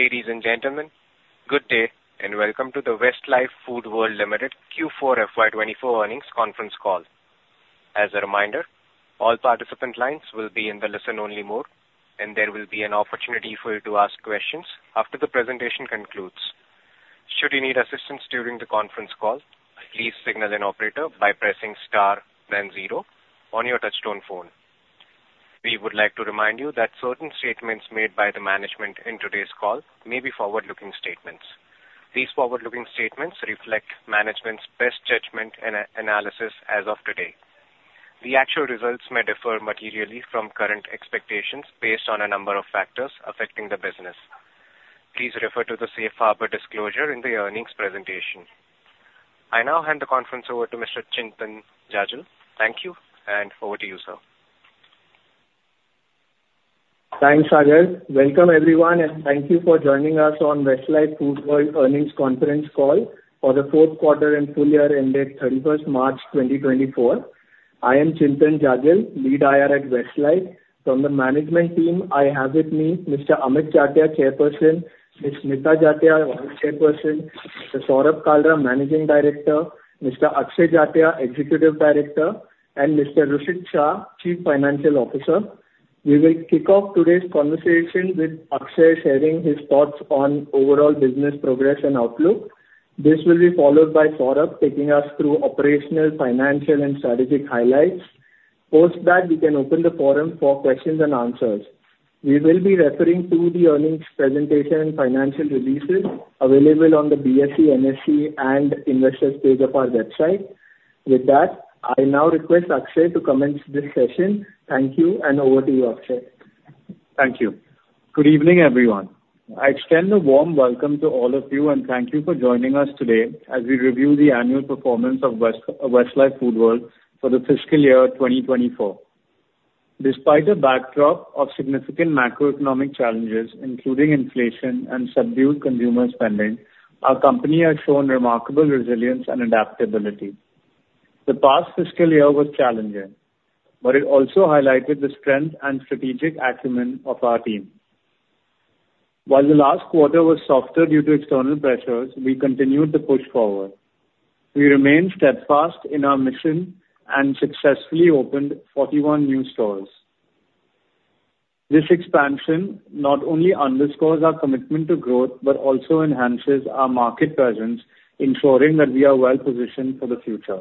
Ladies and gentlemen, good day and welcome to the Westlife Foodworld Limited Q4 FY24 Earnings Conference Call. As a reminder, all participant lines will be in the listen-only mode, and there will be an opportunity for you to ask questions after the presentation concludes. Should you need assistance during the conference call, please signal an operator by pressing star then zero on your touch-tone phone. We would like to remind you that certain statements made by the management in today's call may be forward-looking statements. These forward-looking statements reflect management's best judgment and analysis as of today. The actual results may differ materially from current expectations based on a number of factors affecting the business. Please refer to the Safe Harbor disclosure in the earnings presentation. I now hand the conference over to Mr. Chintan Jajal. Thank you, and over to you, sir. Thanks. Welcome, everyone, and thank you for joining us on Westlife Foodworld Earnings Conference Call for the Q4 and Full Year Ending 31st March 2024. I am Chintan Jajal, lead IR at Westlife. From the management team, I have with me Mr. Amit Jatia, Chairperson; Ms. Smita Jatia, Vice Chairperson; Mr. Saurabh Kalra, Managing Director; Mr. Akshay Jatia, Executive Director; and Mr. Hrushit Shah, Chief Financial Officer. We will kick off today's conversation with Akshay sharing his thoughts on overall business progress and outlook. This will be followed by Saurabh taking us through operational, financial, and strategic highlights. Post that, we can open the forum for questions and answers. We will be referring to the earnings presentation and financial releases available on the BSE, NSE, and investors page of our website. With that, I now request Akshay to commence this session. Thank you, and over to you, Akshay. Thank you. Good evening, everyone. I extend a warm welcome to all of you, and thank you for joining us today as we review the annual performance of Westlife Foodworld for the fiscal year 2024. Despite a backdrop of significant macroeconomic challenges, including inflation and subdued consumer spending, our company has shown remarkable resilience and adaptability. The past fiscal year was challenging, but it also highlighted the strength and strategic acumen of our team. While the last quarter was softer due to external pressures, we continued to push forward. We remained steadfast in our mission and successfully opened 41 new stores. This expansion not only underscores our commitment to growth but also enhances our market presence, ensuring that we are well-positioned for the future.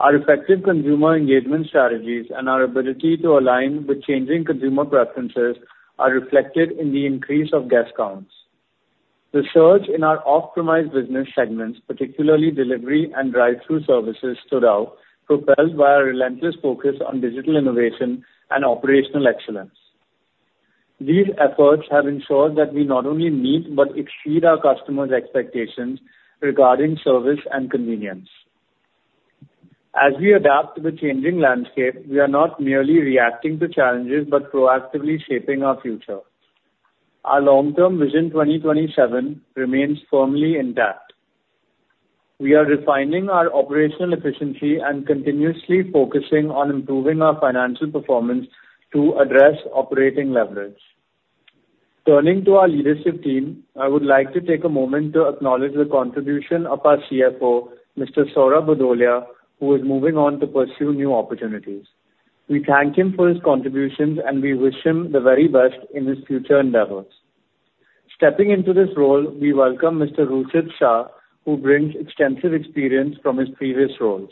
Our effective consumer engagement strategies and our ability to align with changing consumer preferences are reflected in the increase of guest counts. The surge in our optimized business segments, particularly delivery and drive-thru services, stood out, propelled by our relentless focus on digital innovation and operational excellence. These efforts have ensured that we not only meet but exceed our customers' expectations regarding service and convenience. As we adapt to the changing landscape, we are not merely reacting to challenges but proactively shaping our future. Our long-term Vision 2027 remains firmly intact. We are refining our operational efficiency and continuously focusing on improving our financial performance to address operating leverage. Turning to our leadership team, I would like to take a moment to acknowledge the contribution of our CFO, Mr. Saurabh Bhudolia, who is moving on to pursue new opportunities. We thank him for his contributions, and we wish him the very best in his future endeavors. Stepping into this role, we welcome Mr. Hrushit Shah, who brings extensive experience from his previous roles.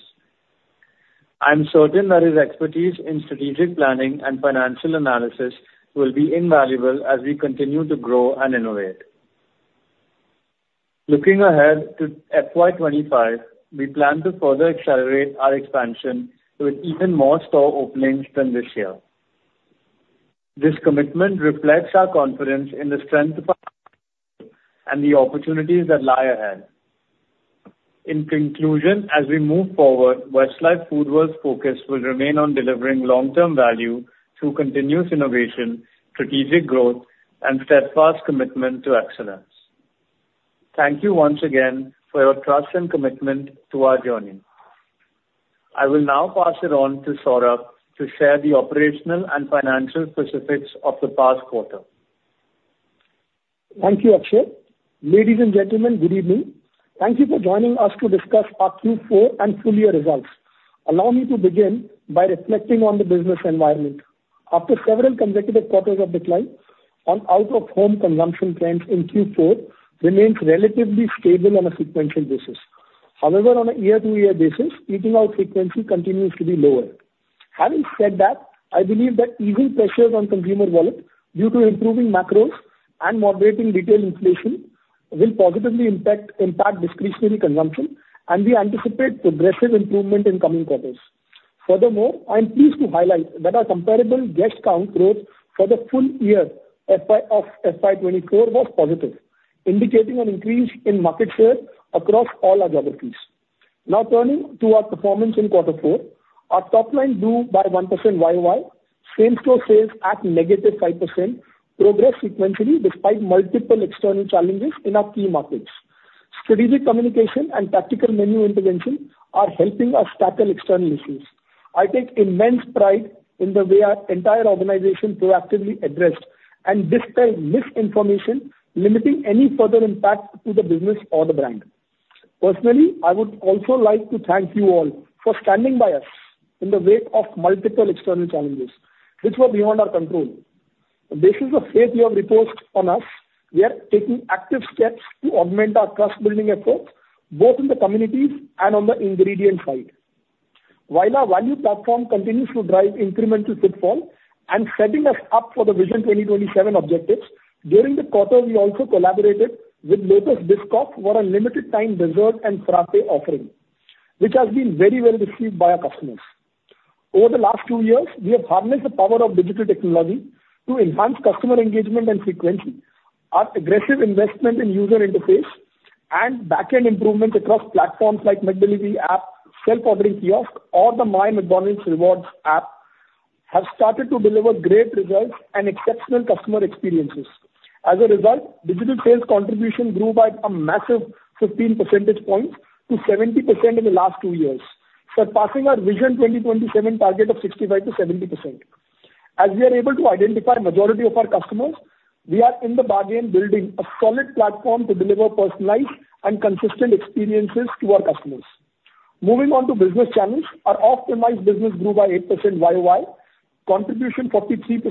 I'm certain that his expertise in strategic planning and financial analysis will be invaluable as we continue to grow and innovate. Looking ahead to FY25, we plan to further accelerate our expansion with even more store openings than this year. This commitment reflects our confidence in the strength of our company and the opportunities that lie ahead. In conclusion, as we move forward, Westlife Foodworld's focus will remain on delivering long-term value through continuous innovation, strategic growth, and steadfast commitment to excellence. Thank you once again for your trust and commitment to our journey. I will now pass it on to Saurabh to share the operational and financial specifics of the past quarter. Thank you, Akshay. Ladies and gentlemen, good evening. Thank you for joining us to discuss our Q4 and Full Year Results. Allow me to begin by reflecting on the business environment. After several consecutive quarters of decline, our out-of-home consumption trends in Q4 remained relatively stable on a sequential basis. However, on a year-to-year basis, eating-out frequency continues to be lower. Having said that, I believe that easing pressures on consumer wallets due to improving macros and moderating retail inflation will positively impact discretionary consumption, and we anticipate progressive improvement in coming quarters. Furthermore, I am pleased to highlight that our comparable guest count growth for the full year of FY2024 was positive, indicating an increase in market share across all our geographies. Now turning to our performance in quarter four, our top line grew by 1% year-over-year, same-store sales at -5%, progressed sequentially despite multiple external challenges in our key markets. Strategic communication and tactical menu intervention are helping us tackle external issues. I take immense pride in the way our entire organization proactively addressed and dispelled misinformation, limiting any further impact to the business or the brand. Personally, I would also like to thank you all for standing by us in the wake of multiple external challenges which were beyond our control. Based on the faith you have reposed on us, we are taking active steps to augment our trust-building efforts both in the communities and on the ingredient side. While our value platform continues to drive incremental footfall and setting us up for the Vision 2027 objectives, during the quarter we also collaborated with Lotus Biscoff for a limited-time dessert and frappe offering, which has been very well received by our customers. Over the last two years, we have harnessed the power of digital technology to enhance customer engagement and frequency. Our aggressive investment in user interface and backend improvements across platforms like McDonald's app, self-ordering kiosk, or the MyMcDonald's Rewards app have started to deliver great results and exceptional customer experiences. As a result, digital sales contribution grew by a massive 15 percentage points to 70% in the last two years, surpassing our Vision 2027 target of 65%-70%. As we are able to identify the majority of our customers, we are in the bargain building a solid platform to deliver personalized and consistent experiences to our customers. Moving on to business challenges, our optimized business grew by 8% year-over-year, contributing 43%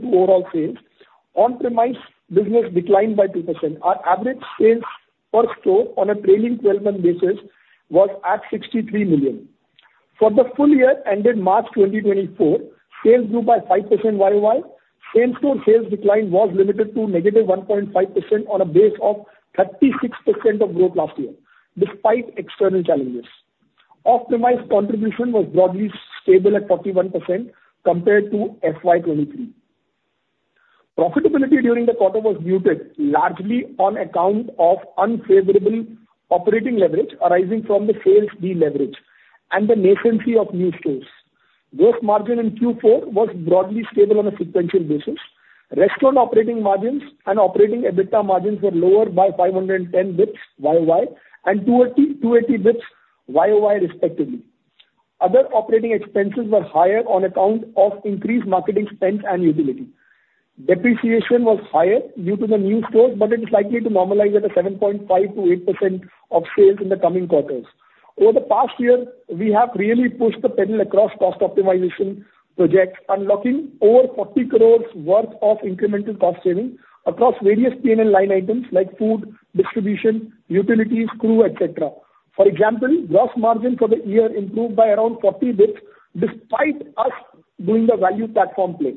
to overall sales. On-premise business declined by 2%. Our average sales per store on a trailing 12-month basis was at 63 million. For the full year ending March 2024, sales grew by 5% year-over-year. Same-store sales decline was limited to -1.5% on a base of 36% of growth last year, despite external challenges. Optimized contribution was broadly stable at 41% compared to FY 2023. Profitability during the quarter was muted, largely on account of unfavorable operating leverage arising from the sales de-leverage and the nascency of new stores. Gross margin in Q4 was broadly stable on a sequential basis. Restaurant operating margins and operating EBITDA margins were lower by 510 basis points year-over-year and 280 basis points year-over-year, respectively. Other operating expenses were higher on account of increased marketing spend and utility. Depreciation was higher due to the new stores, but it is likely to normalize at a 7.5%-8% of sales in the coming quarters. Over the past year, we have really pushed the pedal across cost optimization projects, unlocking over 40 crores' worth of incremental cost savings across various P&L line items like food, distribution, utilities, crew, etc. For example, gross margin for the year improved by around 40 basis points despite us doing the value platform play.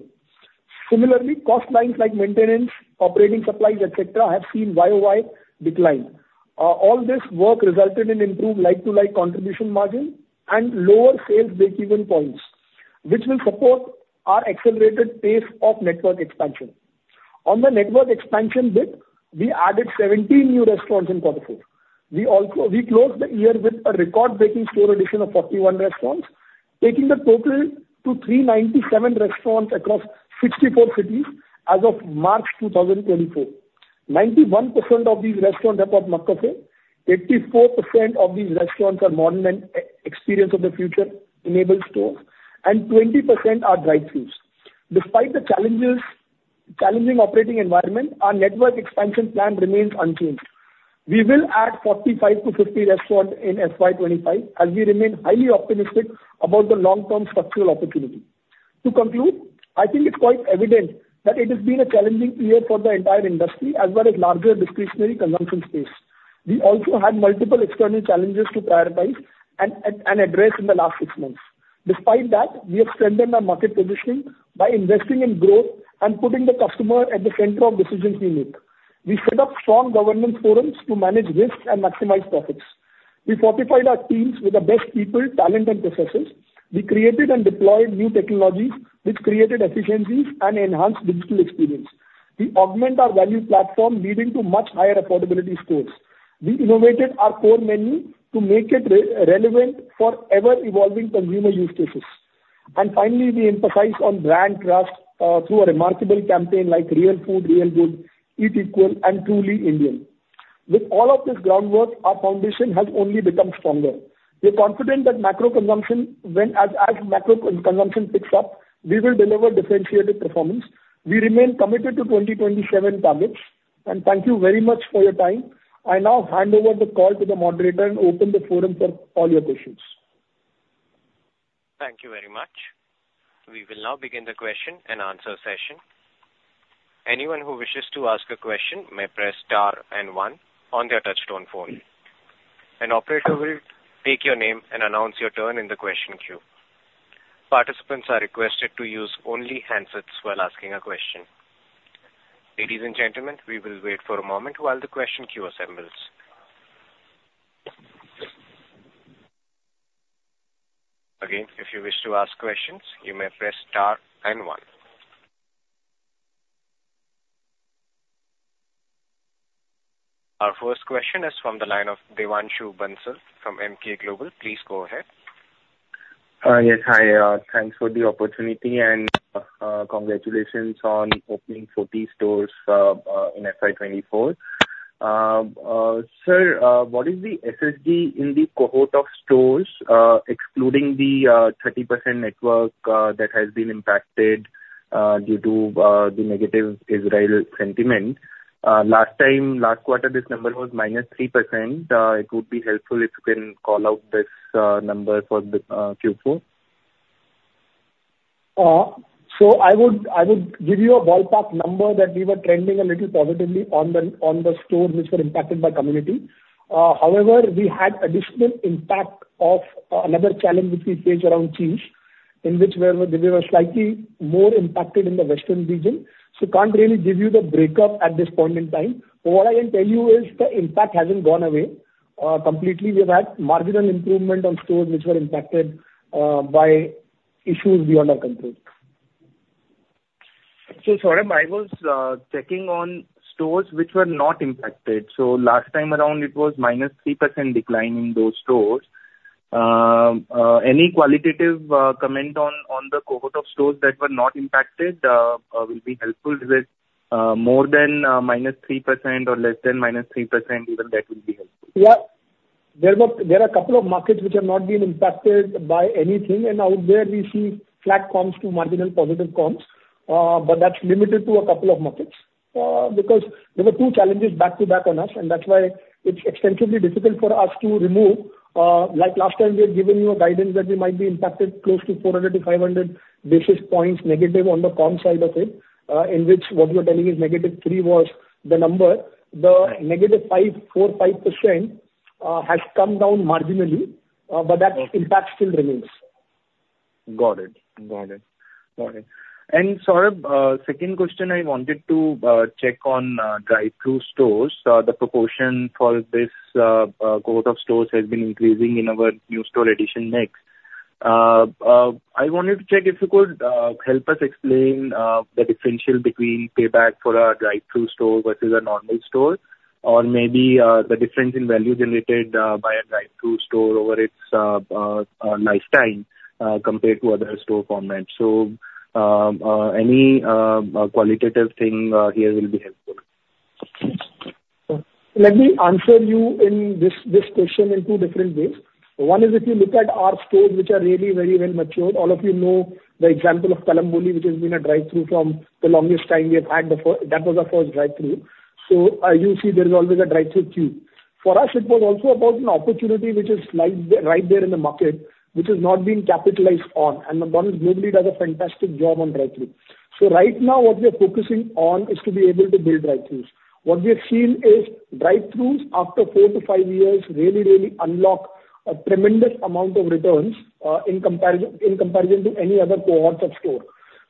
Similarly, cost lines like maintenance, operating supplies, etc. have seen year-over-year decline. All this work resulted in improved like-to-like contribution margins and lower sales break-even points, which will support our accelerated pace of network expansion. On the network expansion bit, we added 17 new restaurants in quarter four. We closed the year with a record-breaking store addition of 41 restaurants, taking the total to 397 restaurants across 64 cities as of March 2024. 91% of these restaurants have got McCafe. 84% of these restaurants are modern and Experience of the Future enabled stores, and 20% are drive-thrus. Despite the challenging operating environment, our network expansion plan remains unchanged. We will add 45-50 restaurants in FY25 as we remain highly optimistic about the long-term structural opportunity. To conclude, I think it's quite evident that it has been a challenging year for the entire industry as well as larger discretionary consumption space. We also had multiple external challenges to prioritize and address in the last six months. Despite that, we have strengthened our market positioning by investing in growth and putting the customer at the center of decisions we make. We set up strong governance forums to manage risks and maximize profits. We fortified our teams with the best people, talent, and processes. We created and deployed new technologies which created efficiencies and enhanced digital experience. We augmented our value platform, leading to much higher affordability scores. We innovated our core menu to make it relevant for ever-evolving consumer use cases. And finally, we emphasized on brand trust through a remarkable campaign like Real Food, Real Good, Eat Equal, and Truly Indian. With all of this groundwork, our foundation has only become stronger. We're confident that as macro consumption picks up, we will deliver differentiated performance. We remain committed to 2027 targets. And thank you very much for your time. I now hand over the call to the moderator and open the forum for all your questions. Thank you very much. We will now begin the question and answer session. Anyone who wishes to ask a question may press star and one on their touch-tone phone. An operator will take your name and announce your turn in the question queue. Participants are requested to use only handsets while asking a question. Ladies and gentlemen, we will wait for a moment while the question queue assembles. Again, if you wish to ask questions, you may press star and one. Our first question is from the line of Devanshu Bansal from Emkay Global. Please go ahead. Yes. Hi. Thanks for the opportunity, and congratulations on opening 40 stores in FY 2024. Sir, what is the SSG in the cohort of stores, excluding the 30% network that has been impacted due to the negative Israel sentiment? Last quarter, this number was -3%. It would be helpful if you can call out this number for Q4. So I would give you a ballpark number that we were trending a little positively on the stores which were impacted by community. However, we had additional impact of another challenge which we faced around cheese, in which we were slightly more impacted in the western region. So I can't really give you the breakup at this point in time. What I can tell you is the impact hasn't gone away completely. We have had marginal improvement on stores which were impacted by issues beyond our control. Saurabh, I was checking on stores which were not impacted. Last time around, it was -3% decline in those stores. Any qualitative comment on the cohort of stores that were not impacted will be helpful. If it's more than -3% or less than -3%, even that will be helpful. Yeah. There are a couple of markets which have not been impacted by anything. And out there, we see flat comps to marginal positive comps. But that's limited to a couple of markets because there were two challenges back to back on us, and that's why it's extensively difficult for us to remove. Like last time, we had given you a guidance that we might be impacted close to 400-500 basis points negative on the comp side of it, in which what you are telling is -3% was the number. The -4.5% has come down marginally, but that impact still remains. Got it. Got it. Got it. And Saurabh, second question, I wanted to check on Drive-Thru stores. The proportion for this cohort of stores has been increasing in our new store addition mix. I wanted to check if you could help us explain the differential between payback for a Drive-Thru store versus a normal store, or maybe the difference in value generated by a Drive-Thru store over its lifetime compared to other store formats. So any qualitative thing here will be helpful. Let me answer you this question in two different ways. One is if you look at our stores which are really very well matured. All of you know the example of Kalamboli, which has been a drive-thru for the longest time we have had before. That was our first drive-thru. So you see there is always a drive-thru queue. For us, it was also about an opportunity which is right there in the market which has not been capitalized on. And McDonald's globally does a fantastic job on drive-thru. So right now, what we are focusing on is to be able to build drive-thrus. What we have seen is drive-thrus, after four to five years, really, really unlock a tremendous amount of returns in comparison to any other cohorts of stores.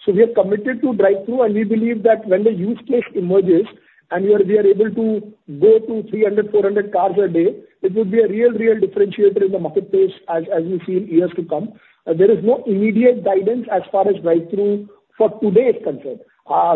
So we are committed to Drive-Thru, and we believe that when the use case emerges and we are able to go to 300, 400 cars a day, it would be a real, real differentiator in the marketplace, as we see in years to come. There is no immediate guidance as far as Drive-Thru for today's concern.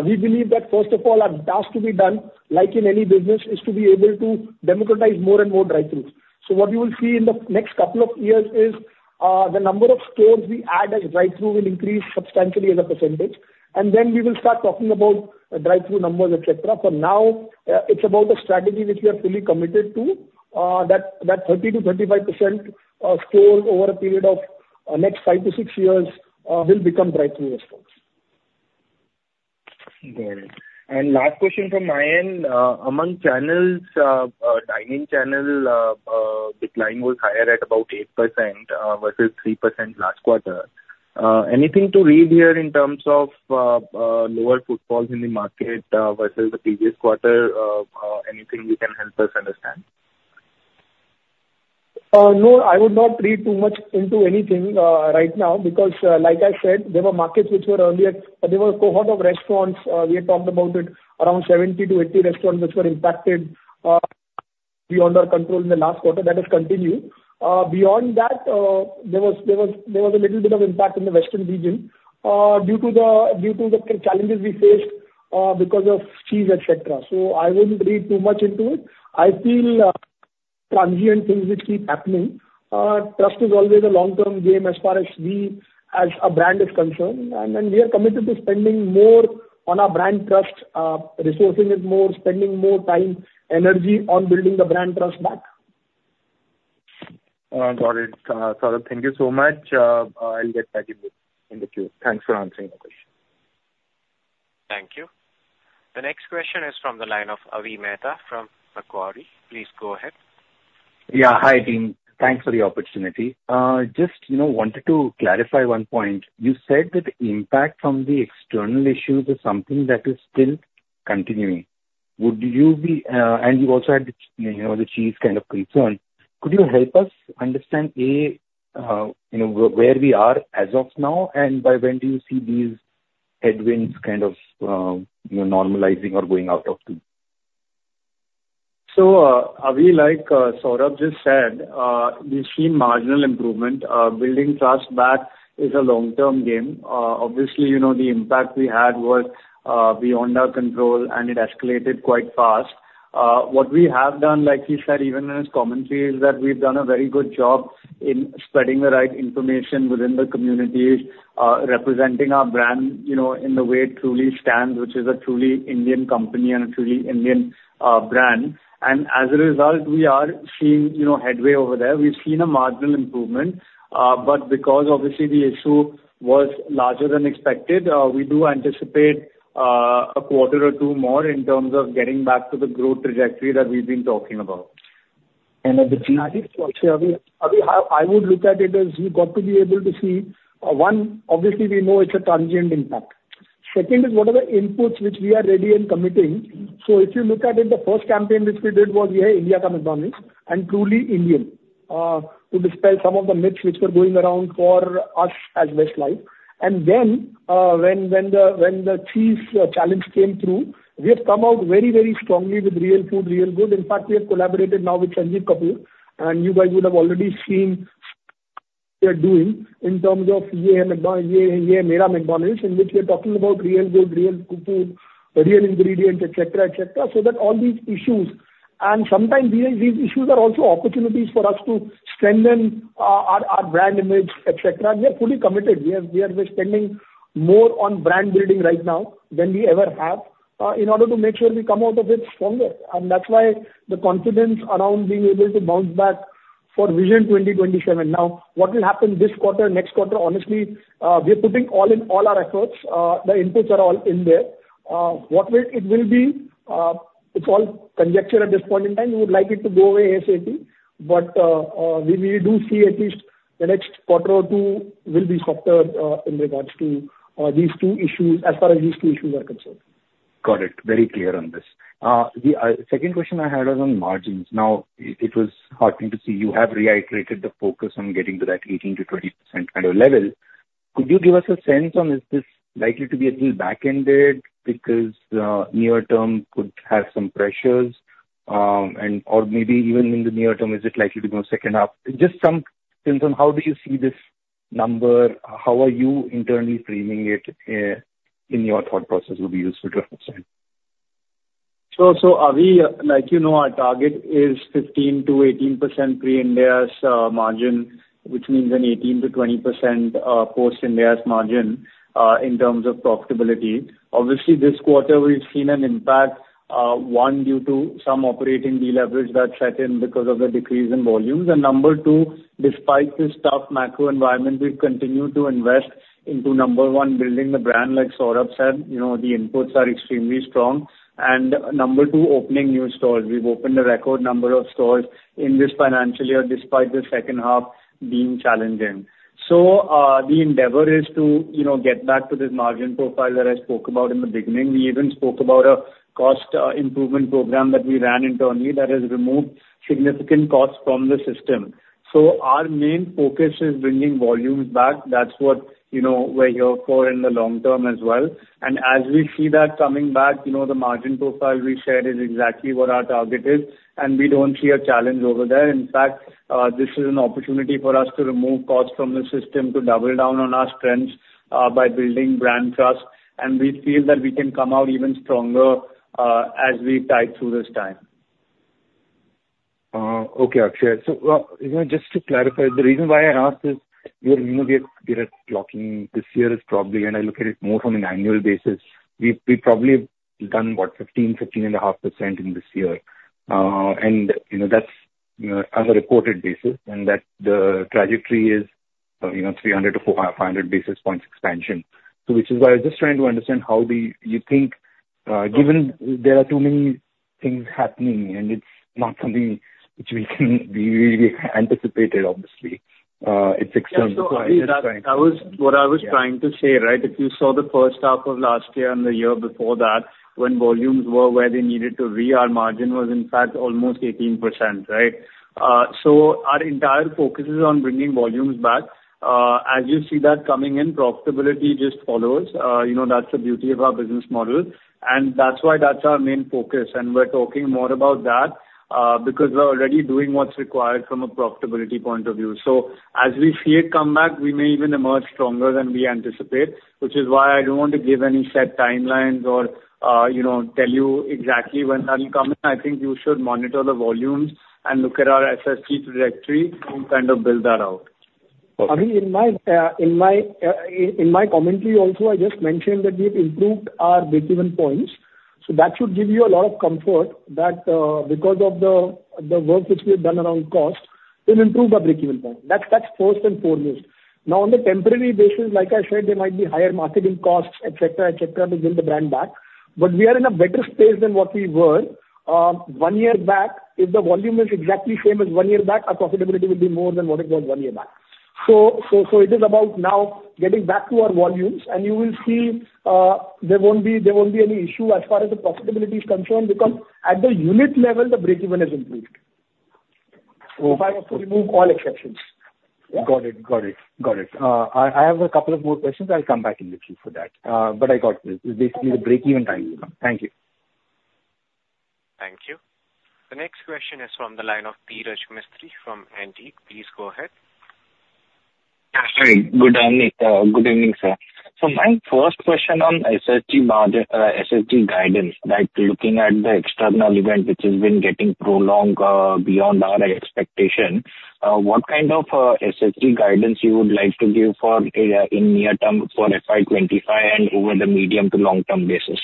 We believe that, first of all, our task to be done, like in any business, is to be able to democratize more and more Drive-Thrus. So what you will see in the next couple of years is the number of stores we add as Drive-Thru will increase substantially as a percentage. And then we will start talking about Drive-Thru numbers, etc. For now, it's about a strategy which we are fully committed to, that 30%-35% store over a period of the next 5-6 years will become Drive-Thru restaurants. Got it. Last question from my end. Among channels, dining channel decline was higher at about 8% versus 3% last quarter. Anything to read here in terms of lower footfalls in the market versus the previous quarter? Anything you can help us understand? No. I would not read too much into anything right now because, like I said, there were a cohort of restaurants we had talked about it, around 70-80 restaurants which were impacted beyond our control in the last quarter. That has continued. Beyond that, there was a little bit of impact in the western region due to the challenges we faced because of cheese, etc. So I wouldn't read too much into it. I feel transient things which keep happening. Trust is always a long-term game as far as we, as a brand, is concerned. And we are committed to spending more on our brand trust, resourcing it more, spending more time, energy on building the brand trust back. Got it. Saurabh, thank you so much. I'll get back in the queue. Thanks for answering the question. Thank you. The next question is from the line of Avi Mehta from Macquarie. Please go ahead. Yeah. Hi, team. Thanks for the opportunity. Just wanted to clarify one point. You said that the impact from the external issues is something that is still continuing. Would you be and you also had the cheese kind of concern. Could you help us understand, A, where we are as of now, and by when do you see these headwinds kind of normalizing or going out of the? So Avi, like Saurabh just said, we've seen marginal improvement. Building trust back is a long-term game. Obviously, the impact we had was beyond our control, and it escalated quite fast. What we have done, like he said, even in his commentary, is that we've done a very good job in spreading the right information within the communities, representing our brand in the way it truly stands, which is a truly Indian company and a truly Indian brand. And as a result, we are seeing headway over there. We've seen a marginal improvement. But because, obviously, the issue was larger than expected, we do anticipate a quarter or two more in terms of getting back to the growth trajectory that we've been talking about. At the GID structure, Avi, I would look at it as you've got to be able to see one, obviously, we know it's a transient impact. Second is what are the inputs which we are ready and committing? So if you look at it, the first campaign which we did was, "Yeah, India comes on me," and Truly Indian to dispel some of the myths which were going around for us as Westlife. And then when the cheese challenge came through, we have come out very, very strongly with Real Food, Real Good. In fact, we have collaborated now with Sanjeev Kapoor, and you guys would have already seen what we are doing in terms of, "Yeh Hai Mera McDonald's" in which we are talking about Real Food, Real Good, real ingredients, etc., etc., so that all these issues and sometimes these issues are also opportunities for us to strengthen our brand image, etc. We are fully committed. We are spending more on brand building right now than we ever have in order to make sure we come out of it stronger. That's why the confidence around being able to bounce back for Vision 2027. Now, what will happen this quarter, next quarter? Honestly, we are putting all in all our efforts. The inputs are all in there. What it will be, it's all conjecture at this point in time. We would like it to go away ASAP. We do see at least the next quarter or two will be softer in regards to these two issues as far as these two issues are concerned. Got it. Very clear on this. The second question I had was on margins. Now, it was heartening to see you have reiterated the focus on getting to that 18%-20% kind of level. Could you give us a sense on is this likely to be a little back-ended because near-term could have some pressures? And maybe even in the near term, is it likely to go second up? Just some sense on how do you see this number? How are you internally framing it in your thought process would be useful to understand. So Avi, like you know, our target is 15%-18% pre-Ind AS margin, which means an 18%-20% post-Ind AS margin in terms of profitability. Obviously, this quarter, we've seen an impact, one, due to some operating deleverage that's set in because of the decrease in volumes. And number two, despite this tough macro environment, we've continued to invest into, number one, building the brand. Like Saurabh said, the inputs are extremely strong. And number two, opening new stores. We've opened a record number of stores in this financial year despite the second half being challenging. So the endeavor is to get back to this margin profile that I spoke about in the beginning. We even spoke about a cost improvement program that we ran internally that has removed significant costs from the system. So our main focus is bringing volumes back. That's what we're here for in the long term as well. And as we see that coming back, the margin profile we shared is exactly what our target is. And we don't see a challenge over there. In fact, this is an opportunity for us to remove costs from the system, to double down on our strengths by building brand trust. And we feel that we can come out even stronger as we tide through this time. Okay, Akshay. So just to clarify, the reason why I asked is we are blocking this year is probably and I look at it more from an annual basis. We've probably done, what, 15, 15.5% in this year. And that's on a reported basis. And the trajectory is 300-500 basis points expansion. So which is why I was just trying to understand how do you think given there are too many things happening, and it's not something which we can anticipate, obviously, it's external. Yeah. So what I was trying to say, right, if you saw the first half of last year and the year before that, when volumes were where they needed to reach, our margin was, in fact, almost 18%, right? So our entire focus is on bringing volumes back. As you see that coming in, profitability just follows. That's the beauty of our business model. And that's why that's our main focus. And we're talking more about that because we're already doing what's required from a profitability point of view. So as we see it come back, we may even emerge stronger than we anticipate, which is why I don't want to give any set timelines or tell you exactly when that will come in. I think you should monitor the volumes and look at our SSG trajectory and kind of build that out. Avi, in my commentary also, I just mentioned that we have improved our break-even points. So that should give you a lot of comfort that because of the work which we have done around cost, we've improved our break-even point. That's first and foremost. Now, on the temporary basis, like I said, there might be higher marketing costs, etc., etc., to build the brand back. But we are in a better space than what we were one year back. If the volume is exactly same as one year back, our profitability will be more than what it was one year back. So it is about now getting back to our volumes. And you will see there won't be any issue as far as the profitability is concerned because at the unit level, the break-even has improved if I was to remove all exceptions. Yeah? Got it. Got it. Got it. I have a couple of more questions. I'll come back in with you for that. But I got this. It's basically the break-even time is coming. Thank you. Thank you. The next question is from the line of Dhiraj Mistry from Antique. Please go ahead. Yeah. Hi. Good, Amit. Good evening, sir. So my first question on SSG guidance, right, looking at the external event which has been getting prolonged beyond our expectation, what kind of SSG guidance you would like to give in near term for FY25 and over the medium to long-term basis?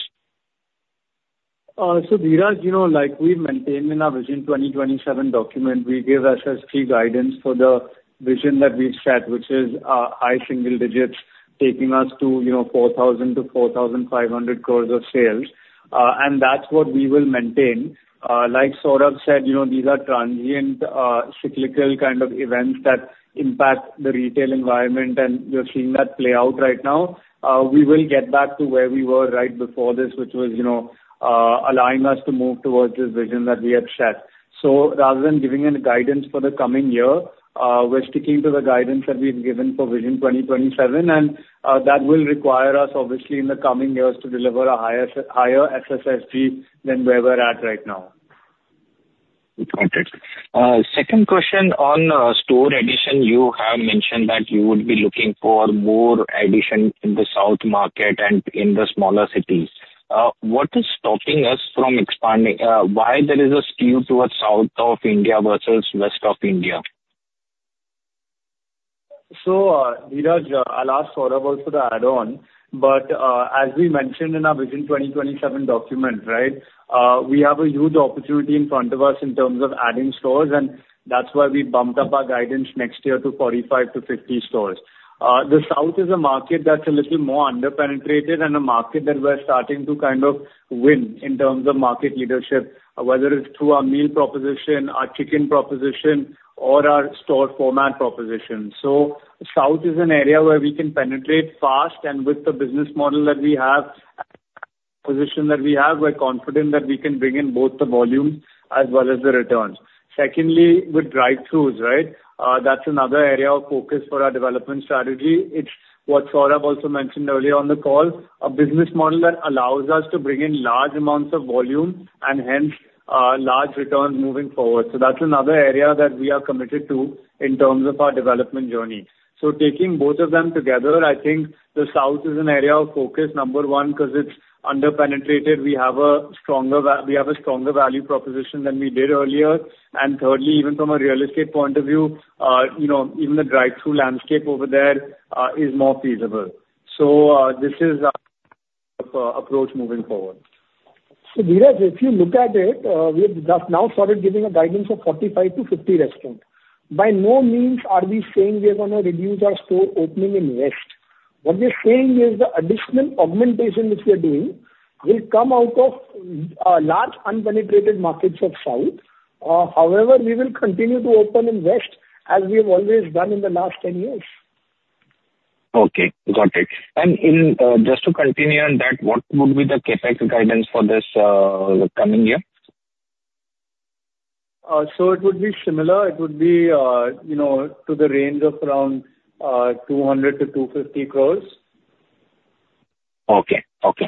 So Dhiraj, like we've maintained in our Vision 2027 document, we give SSG guidance for the vision that we've set, which is high single digits, taking us to 4,000-4,500 crores of sales. And that's what we will maintain. Like Saurabh said, these are transient, cyclical kind of events that impact the retail environment. And you're seeing that play out right now. We will get back to where we were right before this, which was allowing us to move towards this vision that we had set. So rather than giving any guidance for the coming year, we're sticking to the guidance that we've given for Vision 2027. And that will require us, obviously, in the coming years to deliver a higher SSSG than where we're at right now. Got it. Second question on store addition, you have mentioned that you would be looking for more addition in the South market and in the smaller cities. What is stopping us from expanding? Why there is a skew towards South India versus West India? So Dhiraj, I'll ask Saurabh also to add on. But as we mentioned in our Vision 2027 document, right, we have a huge opportunity in front of us in terms of adding stores. And that's why we bumped up our guidance next year to 45-50 stores. The south is a market that's a little more underpenetrated and a market that we're starting to kind of win in terms of market leadership, whether it's through our meal proposition, our chicken proposition, or our store format proposition. So south is an area where we can penetrate fast and with the business model that we have and position that we have. We're confident that we can bring in both the volumes as well as the returns. Secondly, with drive-throughs, right, that's another area of focus for our development strategy. It's what Saurabh also mentioned earlier on the call, a business model that allows us to bring in large amounts of volume and hence large returns moving forward. So that's another area that we are committed to in terms of our development journey. So taking both of them together, I think the South is an area of focus, number one, because it's underpenetrated. We have a stronger value proposition than we did earlier. And thirdly, even from a real estate point of view, even the drive-through landscape over there is more feasible. So this is our approach moving forward. So Dhiraj, if you look at it, we have just now started giving a guidance of 45-50 restaurants. By no means are we saying we are going to reduce our store opening in West. What we're saying is the additional augmentation which we are doing will come out of large unpenetrated markets of South. However, we will continue to open in West as we have always done in the last 10 years. Okay. Got it. And just to continue on that, what would be the CAPEX guidance for this coming year? It would be similar. It would be to the range of around 200-250 crores. Okay. Okay.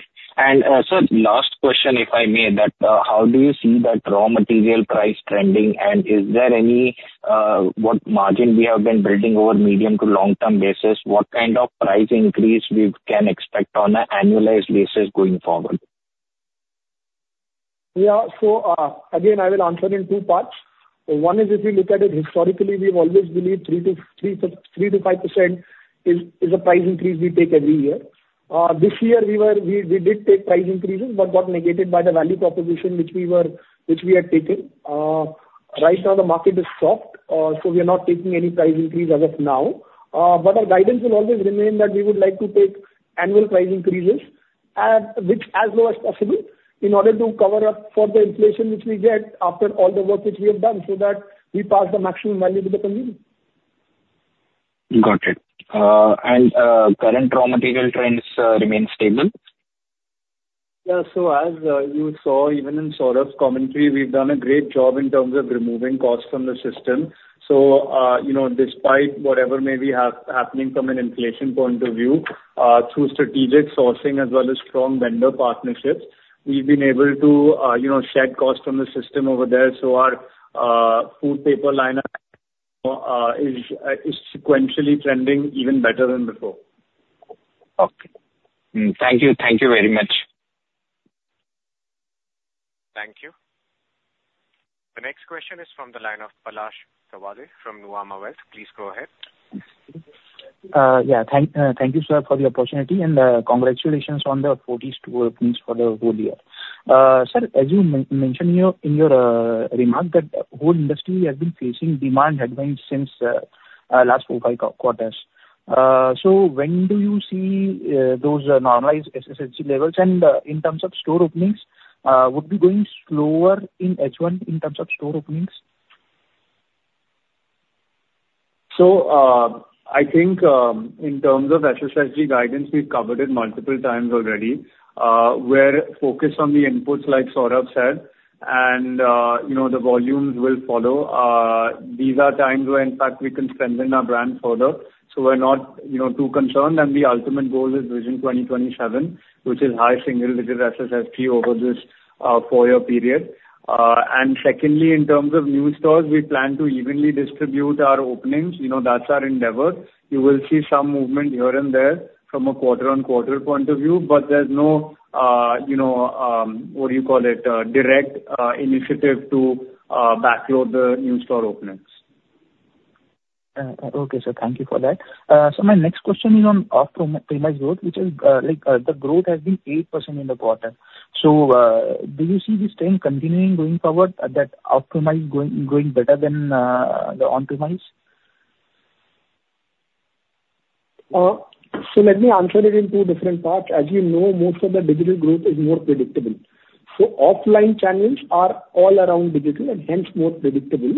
Sir, last question, if I may, that how do you see that raw material price trending? Is there any what margin we have been building over medium to long-term basis, what kind of price increase we can expect on an annualized basis going forward? Yeah. So again, I will answer in two parts. One is if you look at it historically, we've always believed 3%-5% is a price increase we take every year. This year, we did take price increases but got negated by the value proposition which we had taken. Right now, the market is soft. So we are not taking any price increase as of now. But our guidance will always remain that we would like to take annual price increases as low as possible in order to cover up for the inflation which we get after all the work which we have done so that we pass the maximum value to the consumer. Got it. And current raw material trends remain stable? Yeah. So as you saw, even in Saurabh's commentary, we've done a great job in terms of removing costs from the system. So despite whatever may be happening from an inflation point of view through strategic sourcing as well as strong vendor partnerships, we've been able to shed cost from the system over there. So our food paper lineup is sequentially trending even better than before. Okay. Thank you. Thank you very much. Thank you. The next question is from the line of Palash Sawade from Nuvama Wealth. Please go ahead. Yeah. Thank you, sir, for the opportunity. Congratulations on the 40 store openings for the whole year. Sir, as you mentioned in your remark that the whole industry has been facing demand headwinds since last four or five quarters. When do you see those normalized SSG levels? In terms of store openings, would we be going slower in H1 in terms of store openings? So I think in terms of SSSG guidance, we've covered it multiple times already. We're focused on the inputs like Saurabh said. The volumes will follow. These are times where, in fact, we can strengthen our brand further. We're not too concerned. The ultimate goal is Vision 2027, which is high single digit SSSG over this four-year period. Secondly, in terms of new stores, we plan to evenly distribute our openings. That's our endeavor. You will see some movement here and there from a quarter-on-quarter point of view. But there's no, what do you call it? - direct initiative to backload the new store openings. Okay. So thank you for that. So my next question is on optimized growth, which is the growth has been 8% in the quarter. So do you see this trend continuing going forward, that optimized going better than the on-premise? So let me answer it in two different parts. As you know, most of the digital growth is more predictable. So offline channels are all around digital and hence more predictable.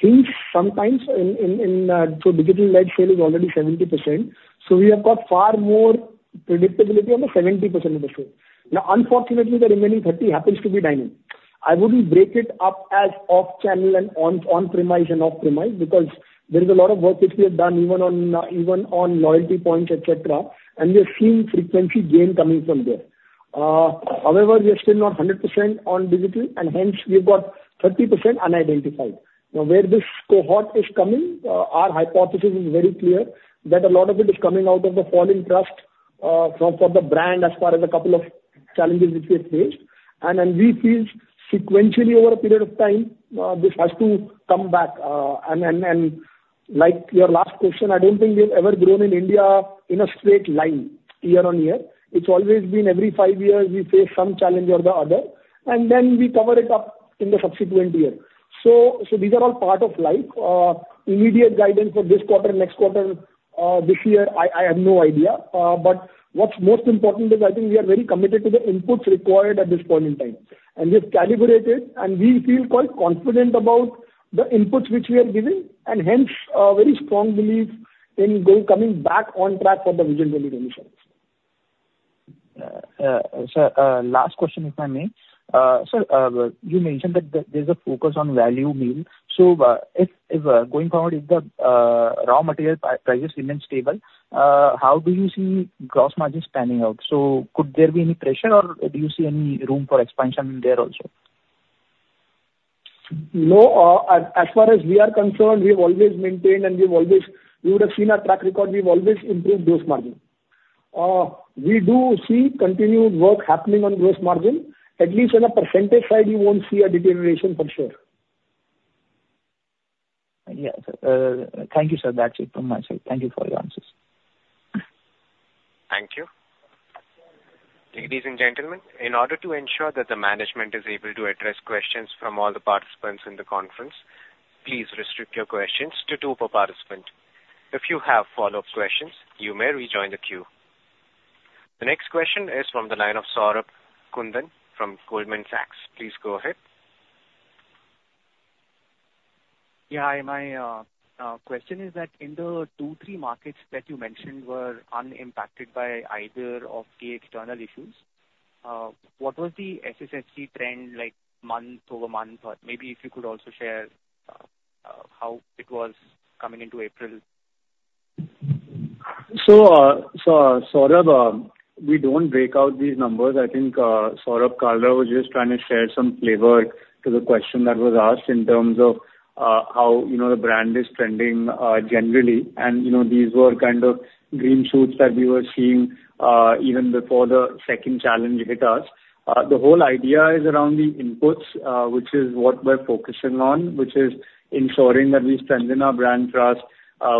Things sometimes in so digital-led sale is already 70%. So we have got far more predictability on the 70% of the sale. Now, unfortunately, the remaining 30% happens to be dining. I wouldn't break it up as off-channel and on-premise and off-premise because there is a lot of work which we have done even on loyalty points, etc. And we are seeing frequency gain coming from there. However, we are still not 100% on digital. And hence, we have got 30% unidentified. Now, where this cohort is coming, our hypothesis is very clear that a lot of it is coming out of the falling trust for the brand as far as a couple of challenges which we have faced. We feel sequentially, over a period of time, this has to come back. Like your last question, I don't think we have ever grown in India in a straight line year-on-year. It's always been every five years we face some challenge or the other. Then we cover it up in the subsequent year. So these are all part of life. Immediate guidance for this quarter, next quarter, this year, I have no idea. But what's most important is I think we are very committed to the inputs required at this point in time. We have calibrated and we feel quite confident about the inputs which we are giving and hence a very strong belief in coming back on track for the Vision 2027. Sir, last question, if I may. Sir, you mentioned that there's a focus on value meal. So going forward, if the raw material prices remain stable, how do you see gross margins panning out? So could there be any pressure, or do you see any room for expansion there also? No. As far as we are concerned, we have always maintained and we have always you would have seen our track record. We've always improved Gross Margin. We do see continued work happening on Gross Margin. At least on the percentage side, you won't see a deterioration for sure. Yes. Thank you, sir. That's it from my side. Thank you for your answers. Thank you. Ladies and gentlemen, in order to ensure that the management is able to address questions from all the participants in the conference, please restrict your questions to two per participant. If you have follow-up questions, you may rejoin the queue. The next question is from the line of Saurabh Kundan from Goldman Sachs. Please go ahead. Yeah. Hi. My question is that in the 2-3 markets that you mentioned were unimpacted by either of the external issues, what was the SSSG trend month-over-month? Maybe if you could also share how it was coming into April. So Saurabh, we don't break out these numbers. I think Saurabh Kalra was just trying to share some flavor to the question that was asked in terms of how the brand is trending generally. And these were kind of green shoots that we were seeing even before the second challenge hit us. The whole idea is around the inputs, which is what we're focusing on, which is ensuring that we strengthen our brand trust,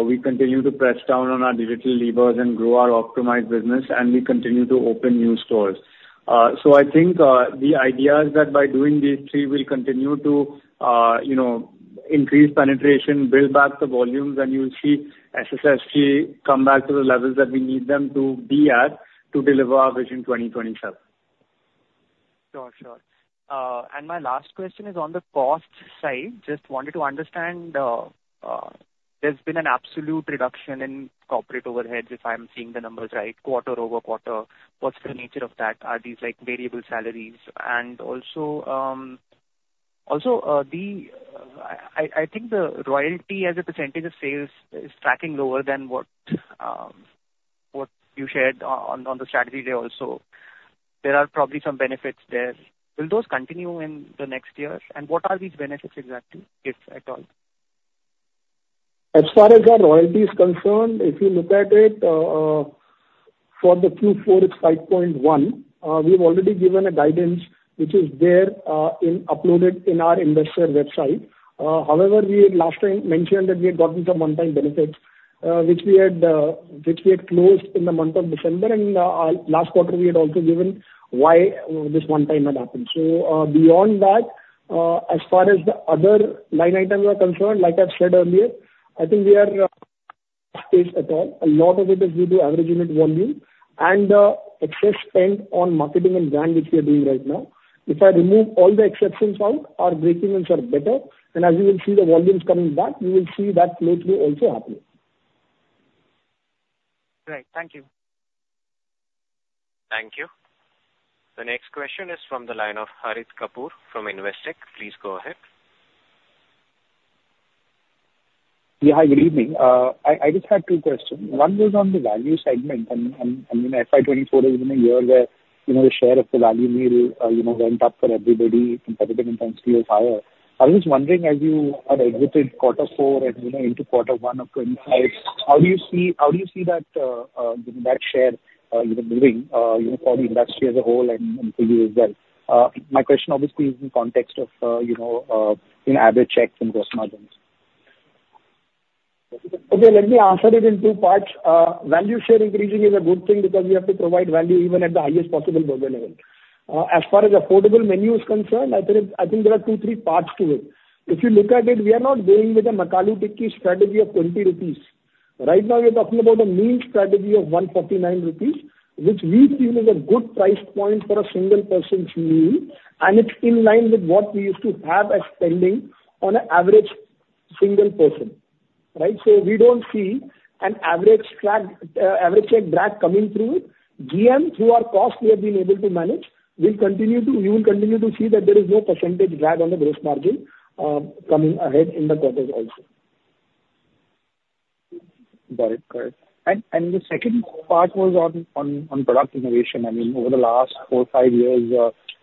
we continue to press down on our digital levers and grow our optimized business, and we continue to open new stores. So I think the idea is that by doing these three, we'll continue to increase penetration, build back the volumes, and you'll see SSSG come back to the levels that we need them to be at to deliver our Vision 2027. Sure. Sure. And my last question is on the cost side. Just wanted to understand, there's been an absolute reduction in corporate overheads, if I'm seeing the numbers right, quarter-over-quarter. What's the nature of that? Are these variable salaries? And also, I think the royalty as a percentage of sales is tracking lower than what you shared on the strategy there also. There are probably some benefits there. Will those continue in the next year? And what are these benefits exactly, if at all? As far as our royalties are concerned, if you look at it, for the Q4, it's 5.1%. We've already given a guidance which is there uploaded in our investor website. However, we had last time mentioned that we had gotten some one-time benefits which we had closed in the month of December. And last quarter, we had also given why this one-time had happened. So beyond that, as far as the other line items are concerned, like I've said earlier, I think we are on pace at all. A lot of it is due to average unit volume and excess spend on marketing and brand which we are doing right now. If I remove all the exceptions out, our breakevens are better. And as you will see the volumes coming back, you will see that flow-through also happening. Great. Thank you. Thank you. The next question is from the line of Harit Kapoor from Investec. Please go ahead. Yeah. Hi. Good evening. I just had two questions. One was on the value segment. I mean, FY24 has been a year where the share of the value meal went up for everybody. Competitive intensity was higher. I was just wondering, as you had exited quarter four and into quarter one of 2025, how do you see how do you see that share moving for the industry as a whole and for you as well? My question, obviously, is in the context of average checks and gross margins. Okay. Let me answer it in two parts. Value share increasing is a good thing because we have to provide value even at the highest possible burger level. As far as affordable menu is concerned, I think there are two, three parts to it. If you look at it, we are not going with a McAloo Tikki strategy of 20 rupees. Right now, we're talking about a meal strategy of 149 rupees, which we feel is a good price point for a single person's meal. And it's in line with what we used to have as spending on an average single person, right? So we don't see an average check drag coming through it. GM, through our cost, we have been able to manage. We will continue to you will continue to see that there is no percentage drag on the gross margin coming ahead in the quarters also. Got it. Got it. And the second part was on product innovation. I mean, over the last 4, 5 years,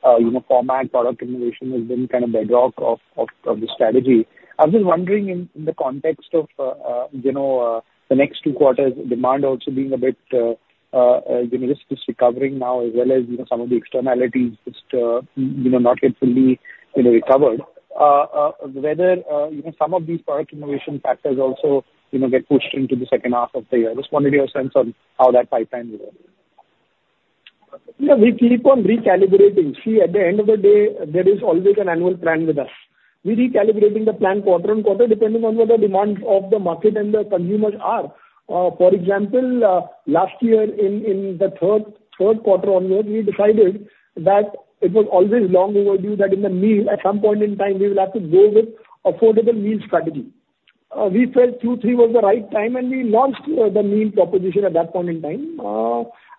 our product innovation has been kind of bedrock of the strategy. I was just wondering, in the context of the next two quarters, demand also being a bit just recovering now as well as some of the externalities just not yet fully recovered, whether some of these product innovation factors also get pushed into the second half of the year. Just wanted your sense on how that pipeline will go. Yeah. We keep on recalibrating. See, at the end of the day, there is always an annual plan with us. We're recalibrating the plan quarter on quarter depending on what the demands of the market and the consumers are. For example, last year, in the Q3 onwards, we decided that it was always long overdue that in the meal, at some point in time, we will have to go with affordable meal strategy. We felt Q3 was the right time, and we launched the meal proposition at that point in time.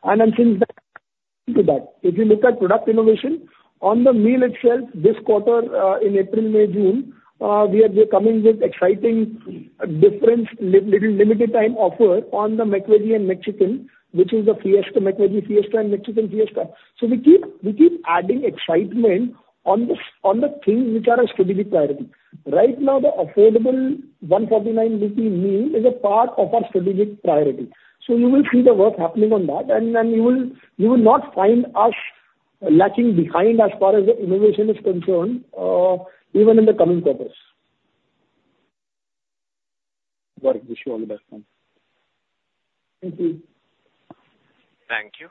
And since then, to that. If you look at product innovation, on the meal itself, this quarter, in April, May, June, we are coming with exciting, different, little limited-time offer on the McVeggie and McChicken, which is the McVeggie Fiesta and McChicken Fiesta. So we keep adding excitement on the things which are a strategic priority. Right now, the affordable 149 rupee meal is a part of our strategic priority. So you will see the work happening on that. And you will not find us lacking behind as far as the innovation is concerned, even in the coming quarters. Got it. Wish you all the best, sir. Thank you. Thank you.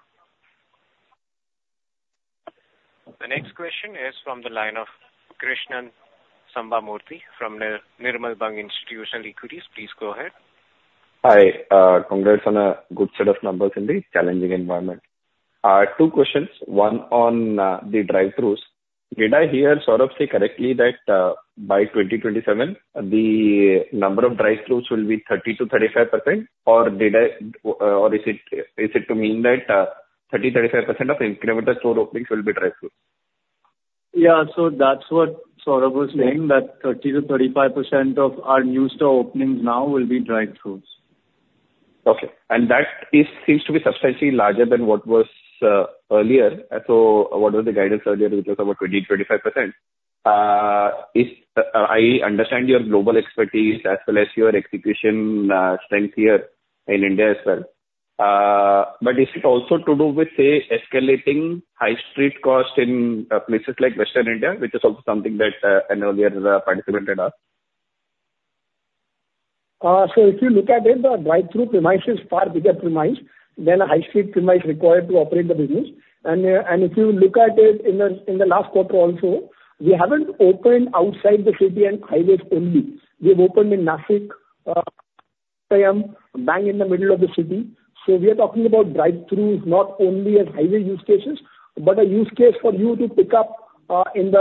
The next question is from the line of Krishnan Sambamoorthy from Nirmal Bang Institutional Equities. Please go ahead. Hi. Congrats on a good set of numbers in this challenging environment. Two questions. One on the drive-throughs. Did I hear Saurabh say correctly that by 2027, the number of drive-throughs will be 30%-35%? Or is it to mean that 30%-35% of incremental store openings will be drive-throughs? Yeah. So that's what Saurabh was saying, that 30%-35% of our new store openings now will be drive-throughs. Okay. That seems to be substantially larger than what was earlier. What was the guidance earlier, which was about 20%-25%? I understand your global expertise as well as your execution strength here in India as well. Is it also to do with, say, escalating high street cost in places like Western India, which is also something that an earlier participant had asked? So if you look at it, the drive-through premise is far bigger premise than a high street premise required to operate the business. And if you look at it in the last quarter also, we haven't opened outside the city and highways only. We have opened in Nashik, Uttar Pradesh, bang in the middle of the city. So we are talking about drive-throughs not only as highway use cases but a use case for you to pick up in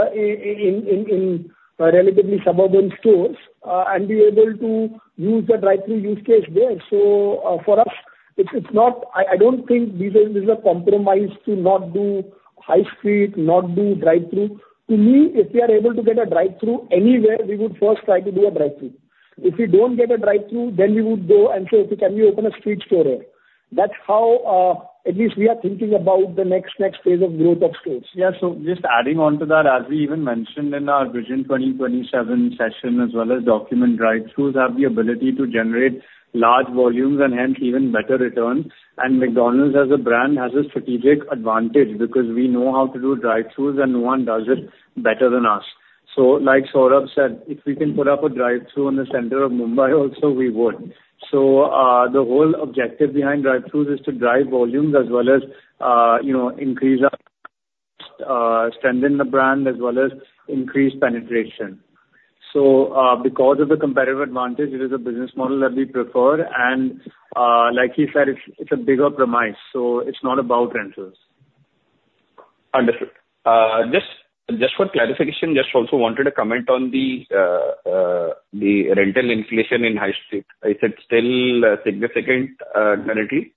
relatively suburban stores and be able to use the drive-through use case there. So for us, I don't think this is a compromise to not do high street, not do drive-through. To me, if we are able to get a drive-through anywhere, we would first try to do a drive-through. If we don't get a Drive-Thru, then we would go and say, "Can we open a street store here?" That's how at least we are thinking about the next phase of growth of stores. Yeah. So just adding on to that, as we even mentioned in our Vision 2027 session as well as document drive-throughs, have the ability to generate large volumes and hence even better returns. McDonald's, as a brand, has a strategic advantage because we know how to do drive-throughs, and no one does it better than us. So like Saurabh said, if we can put up a drive-through in the center of Mumbai also, we would. So the whole objective behind drive-throughs is to drive volumes as well as increase our strength in the brand as well as increase penetration. So because of the competitive advantage, it is a business model that we prefer. Like he said, it's a bigger premise. So it's not about rentals. Understood. Just for clarification, just also wanted a comment on the rental inflation in high street. Is it still significant currently?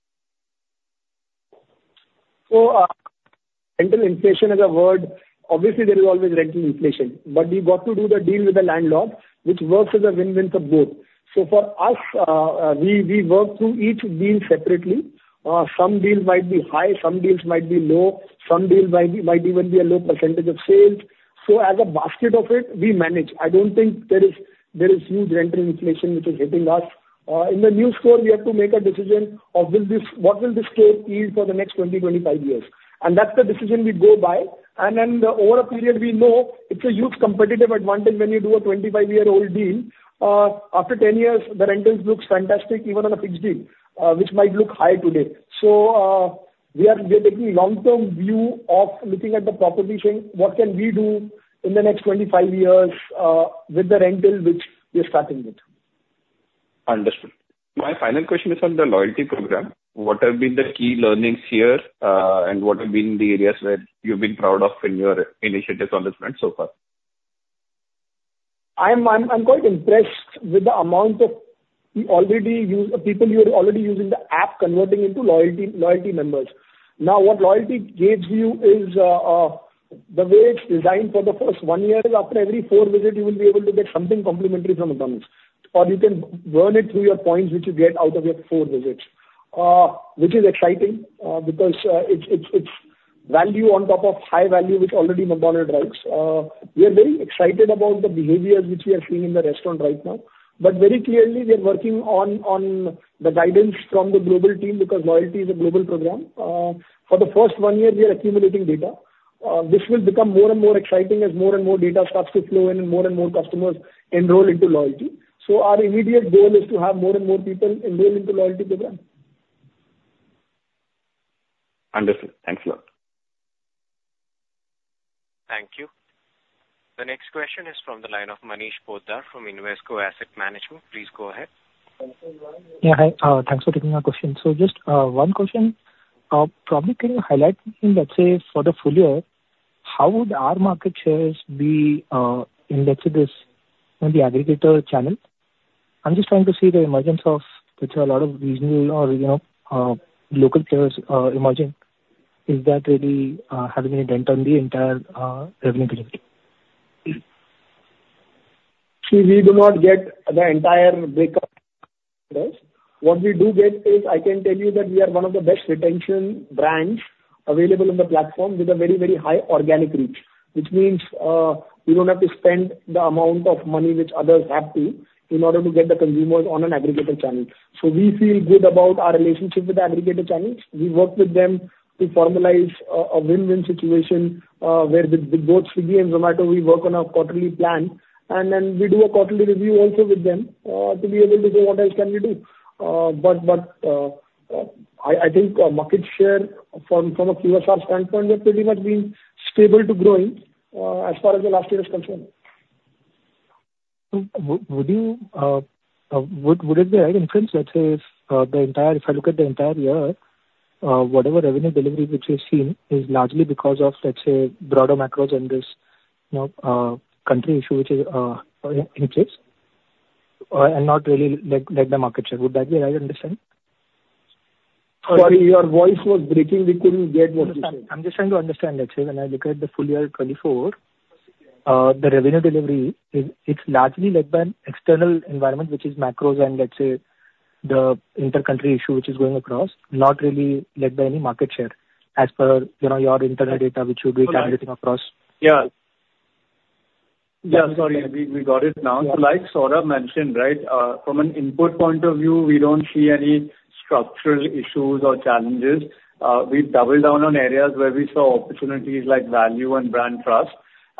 So rental inflation as a word, obviously, there is always rental inflation. But we've got to do the deal with the landlord, which works as a win-win for both. So for us, we work through each deal separately. Some deals might be high. Some deals might be low. Some deals might even be a low percentage of sales. So as a basket of it, we manage. I don't think there is huge rental inflation which is hitting us. In the new store, we have to make a decision of what will this store yield for the next 20, 25 years. And that's the decision we go by. And then over a period, we know it's a huge competitive advantage when you do a 25-year-old deal. After 10 years, the rentals look fantastic even on a fixed deal, which might look high today. We are taking a long-term view of looking at the property, saying, "What can we do in the next 25 years with the rental which we are starting with? Understood. My final question is on the loyalty program. What have been the key learnings here? And what have been the areas where you've been proud of in your initiatives on this front so far? I'm quite impressed with the amount of people who are already using the app converting into loyalty members. Now, what loyalty gives you is the way it's designed for the first one year is after every four visits, you will be able to get something complimentary from McDonald's. Or you can burn it through your points which you get out of your four visits, which is exciting because it's value on top of high value which already McDonald's drives. We are very excited about the behaviors which we are seeing in the restaurant right now. But very clearly, we are working on the guidance from the global team because loyalty is a global program. For the first one year, we are accumulating data. This will become more and more exciting as more and more data starts to flow in and more and more customers enroll into loyalty. Our immediate goal is to have more and more people enroll into loyalty programs. Understood. Thanks a lot. Thank you. The next question is from the line of Manish Poddar from Invesco Asset Management. Please go ahead. Yeah. Hi. Thanks for taking our question. So just one question. Probably, can you highlight, in, let's say, for the full year, how our market shares would be in, let's say, this aggregator channel? I'm just trying to see the emergence of which are a lot of regional or local players emerging. Is that really having any dent on the entire revenue capability? See, we do not get the entire breakup. What we do get is I can tell you that we are one of the best retention brands available on the platform with a very, very high organic reach, which means we don't have to spend the amount of money which others have to in order to get the consumers on an aggregator channel. So we feel good about our relationship with the aggregator channels. We work with them to formalize a win-win situation where with both Swiggy and Zomato, we work on a quarterly plan. And then we do a quarterly review also with them to be able to say, "What else can we do?" But I think market share from a QSR standpoint, we have pretty much been stable to growing as far as the last year is concerned. Would it be right inference, let's say, if the entire if I look at the entire year, whatever revenue delivery which we've seen is largely because of, let's say, broader macros and this country issue which is in place and not really like the market share? Would that be right understand? Sorry. Your voice was breaking. We couldn't get what you said. I'm just trying to understand. Let's say, when I look at the full year 2024, the revenue delivery, it's largely led by an external environment which is macros and, let's say, the intercountry issue which is going across, not really led by any market share as per your internal data which you do tabulating across. Yeah. Yeah. Sorry. We got it now. So, like Saurabh mentioned, right, from an input point of view, we don't see any structural issues or challenges. We've doubled down on areas where we saw opportunities like value and brand trust.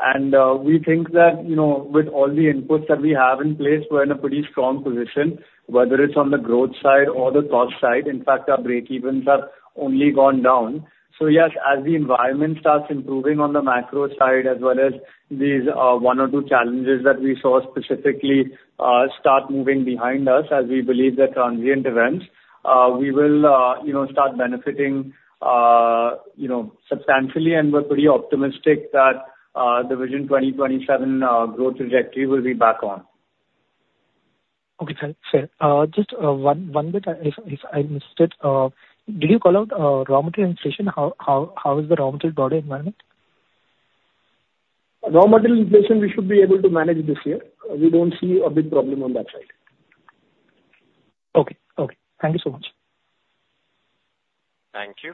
And we think that with all the inputs that we have in place, we're in a pretty strong position, whether it's on the growth side or the cost side. In fact, our break-evens have only gone down. So yes, as the environment starts improving on the macro side as well as these one or two challenges that we saw specifically start moving behind us as we believe the transient events, we will start benefiting substantially. And we're pretty optimistic that the Vision 2027 growth trajectory will be back on. Okay. Fair. Just one bit, if I missed it, did you call out raw material inflation? How is the raw material broader environment? Raw material inflation, we should be able to manage this year. We don't see a big problem on that side. Okay. Okay. Thank you so much. Thank you.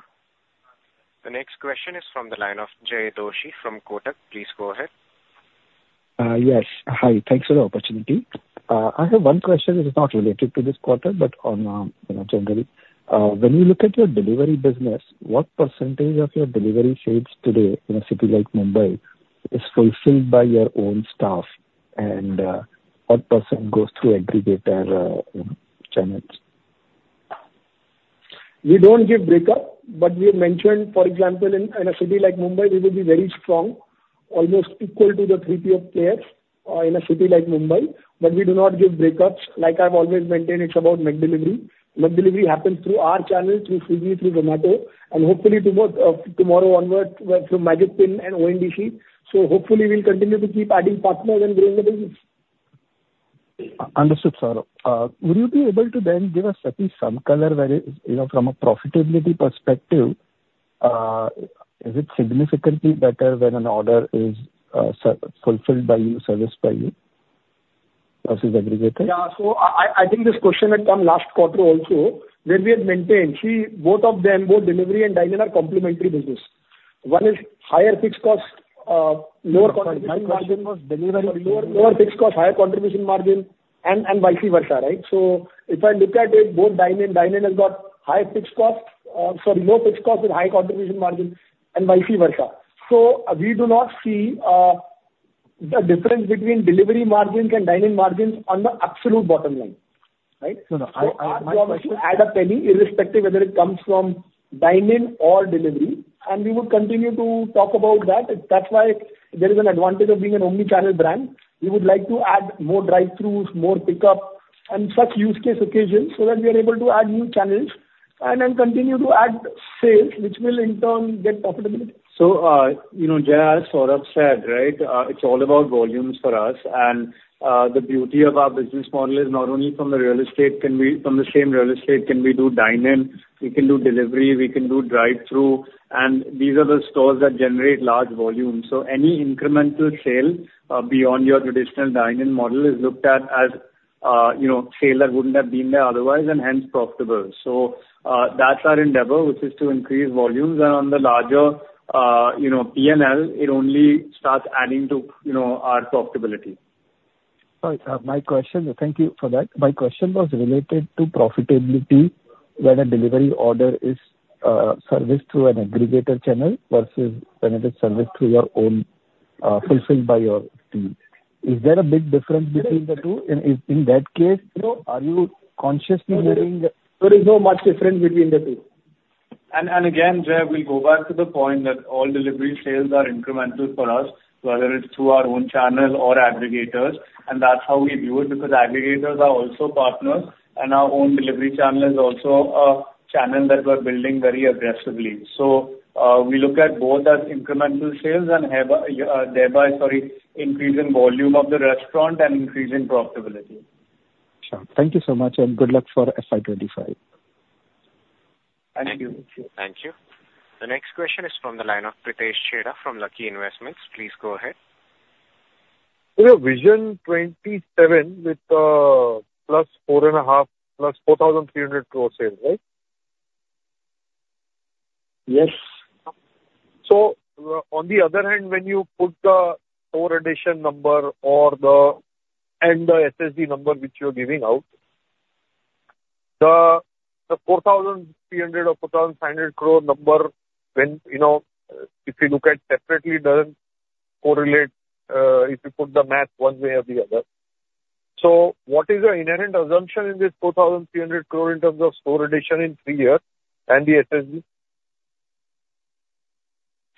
The next question is from the line of Jay Doshi from Kotak. Please go ahead. Yes. Hi. Thanks for the opportunity. I have one question. It is not related to this quarter but generally. When you look at your delivery business, what percentage of your delivery sales today in a city like Mumbai is fulfilled by your own staff? And what percent goes through aggregator channels? We don't give breakup. But we have mentioned, for example, in a city like Mumbai, we will be very strong, almost equal to the 3PO players in a city like Mumbai. But we do not give breakups. Like I've always maintained, it's about McDelivery. McDelivery happens through our channel, through Swiggy, through Zomato, and hopefully, tomorrow onward, through Magicpin and ONDC. So hopefully, we'll continue to keep adding partners and growing the business. Understood, Saurabh. Would you be able to then give us at least some color from a profitability perspective? Is it significantly better when an order is fulfilled by you, serviced by you versus aggregator? Yeah. So I think this question had come last quarter also where we had maintained, see, both of them, both delivery and dining, are complementary business. One is higher fixed cost, lower contribution margin. Sorry. Delivery cost, delivery cost. Lower fixed cost, higher contribution margin, and vice versa, right? So if I look at it, both dining and dining has got high fixed cost sorry, low fixed cost with high contribution margin and vice versa. So we do not see a difference between delivery margins and dining margins on the absolute bottom line, right? So our job is to add a penny irrespective whether it comes from dining or delivery. And we would continue to talk about that. That's why there is an advantage of being an omnichannel brand. We would like to add more drive-throughs, more pickup, and such use case occasions so that we are able to add new channels and then continue to add sales, which will in turn get profitability. So, Jay asked, Saurabh said, right, it's all about volumes for us. And the beauty of our business model is not only from the real estate can we from the same real estate, can we do dining? We can do delivery. We can do drive-through. And these are the stores that generate large volumes. So any incremental sale beyond your traditional dining model is looked at as sale that wouldn't have been there otherwise and hence profitable. So that's our endeavor, which is to increase volumes. And on the larger P&L, it only starts adding to our profitability. Sorry. My question, thank you for that. My question was related to profitability when a delivery order is serviced through an aggregator channel versus when it is serviced through your own fulfilled by your team. Is there a big difference between the two? And in that case, are you consciously doing? There is not much difference between the two. And again, Jay, we'll go back to the point that all delivery sales are incremental for us, whether it's through our own channel or aggregators. And that's how we view it because aggregators are also partners. And our own delivery channel is also a channel that we're building very aggressively. So we look at both as incremental sales and thereby sorry, increasing volume of the restaurant and increasing profitability. Sure. Thank you so much. Good luck for FY25. Thank you. Thank you. The next question is from the line of Pritesh Chheda from Lucky Investments. Please go ahead. We have Vision 2027 with +4.5 + INR 4,300 crore sales, right? Yes. So on the other hand, when you put the 4 addition number and the SSSG number which you're giving out, the 4,300 crore or 4,500 crore number, if you look at separately, doesn't correlate if you put the math one way or the other. So what is your inherent assumption in this 4,300 crore in terms of store addition in three years and the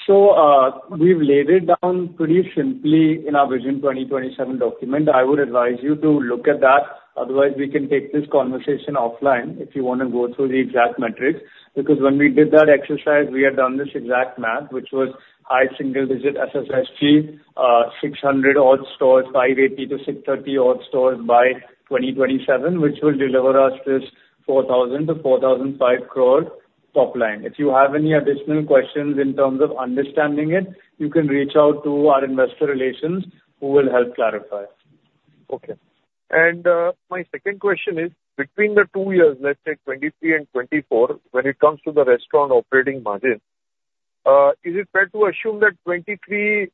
SSSG? We've laid it down pretty simply in our Vision 2027 document. I would advise you to look at that. Otherwise, we can take this conversation offline if you want to go through the exact metrics because when we did that exercise, we had done this exact math, which was high single-digit SSSG, 600-odd stores, 580-630-odd stores by 2027, which will deliver us this 4,000 crore-4,005 crore top line. If you have any additional questions in terms of understanding it, you can reach out to our Investor Relations who will help clarify. Okay. My second question is, between the two years, let's say 2023 and 2024, when it comes to the restaurant operating margin, is it fair to assume that 2023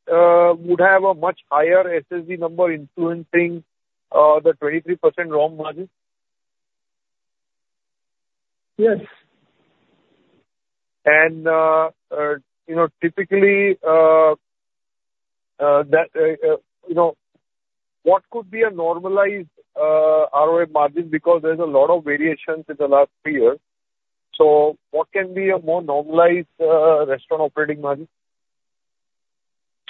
would have a much higher SSG number influencing the 23% gross margin? Yes. Typically, what could be a normalized ROA margin because there's a lot of variations in the last three years? What can be a more normalized Restaurant Operating Margin?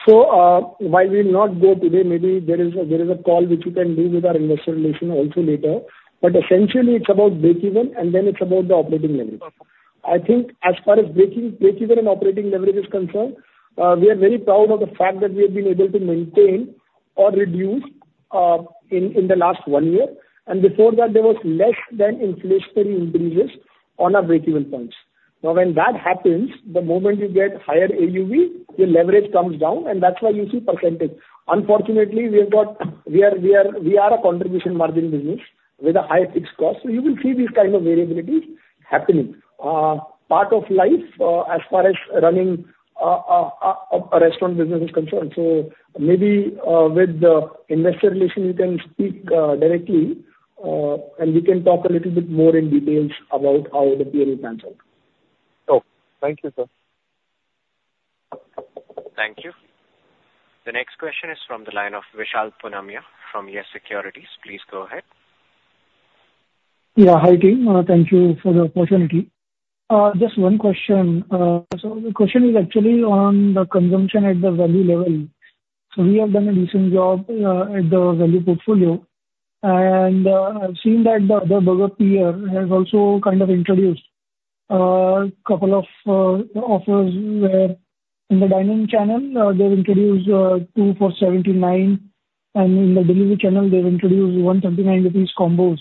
So while we'll not go today, maybe there is a call which you can do with our investor relation also later. But essentially, it's about break-even, and then it's about the operating leverage. I think as far as break-even and operating leverage is concerned, we are very proud of the fact that we have been able to maintain or reduce in the last one year. And before that, there was less than inflationary increases on our break-even points. Now, when that happens, the moment you get higher AUV, your leverage comes down. And that's why you see percentage. Unfortunately, we are a contribution margin business with a high fixed cost. So you will see these kind of variabilities happening. Part of life as far as running a restaurant business is concerned. Maybe with the Investor Relations, you can speak directly, and we can talk a little bit more in details about how the P&L pans out. Oh. Thank you, sir. Thank you. The next question is from the line of Vishal Punmiya from YES Securities. Please go ahead. Yeah. Hi, team. Thank you for the opportunity. Just one question. So the question is actually on the consumption at the value level. So we have done a decent job at the value portfolio. And I've seen that the other burger peer has also kind of introduced a couple of offers where in the dining channel, they've introduced 2 for 79. And in the delivery channel, they've introduced 139 rupees combos.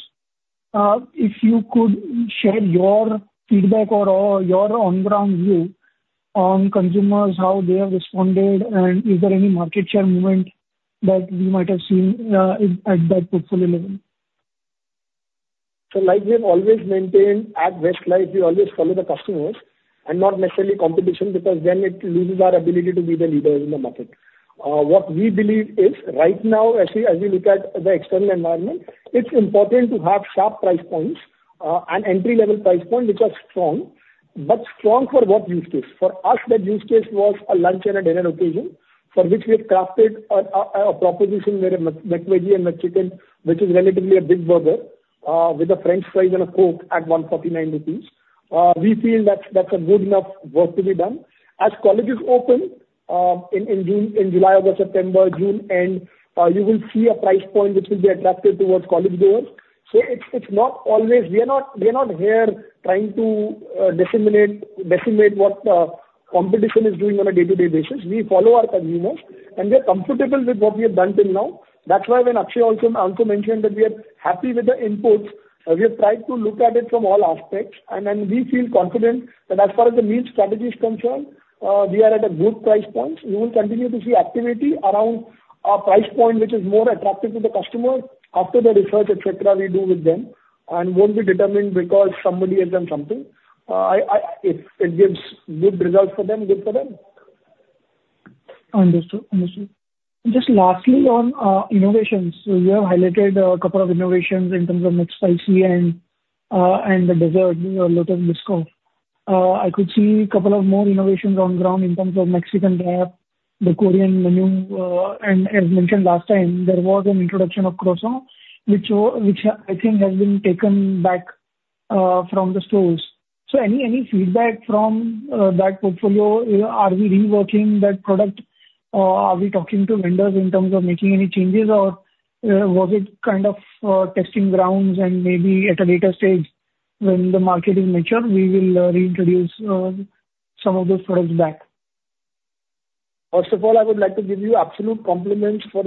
If you could share your feedback or your on-ground view on consumers, how they have responded, and is there any market share movement that we might have seen at that portfolio level? So like we have always maintained at Westlife, we always follow the customers and not necessarily competition because then it loses our ability to be the leaders in the market. What we believe is right now, as we look at the external environment, it's important to have sharp price points and entry-level price points which are strong but strong for what use case. For us, that use case was a lunch and a dinner occasion for which we have crafted a proposition where McVeggie and McChicken, which is relatively a big burger with French fries and a Coke at 149 rupees. We feel that's a good enough work to be done. As colleges open in July, August, September, June, and you will see a price point which will be attractive towards college goers. So it's not always we are not here trying to decimate what the competition is doing on a day-to-day basis. We follow our consumers, and we are comfortable with what we have done till now. That's why when Akshay also mentioned that we are happy with the inputs, we have tried to look at it from all aspects. And then we feel confident that as far as the meal strategy is concerned, we are at a good price point. You will continue to see activity around a price point which is more attractive to the customer after the research, etc., we do with them and won't be determined because somebody has done something. It gives good results for them, good for them. Understood. Understood. Just lastly on innovations, so you have highlighted a couple of innovations in terms of McSpicy and the dessert, Lotus Biscoff. I could see a couple of more innovations on ground in terms of Mexican wrap, the Korean menu. As mentioned last time, there was an introduction of croissant which I think has been taken back from the stores. Any feedback from that portfolio? Are we reworking that product? Are we talking to vendors in terms of making any changes, or was it kind of testing grounds? Maybe at a later stage, when the market is mature, we will reintroduce some of those products back. First of all, I would like to give you absolute compliments for